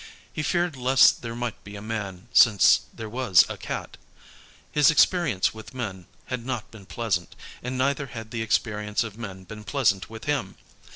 He feared lest there might be a man, since there was a cat. His experience with men had not been pleasant, and neither had the experience of men been pleasant with him.